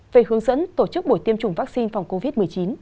về hướng dẫn tổ chức buổi tiêm chủng vaccine phòng covid một mươi chín